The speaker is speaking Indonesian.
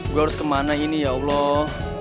gue harus kemana ini ya allah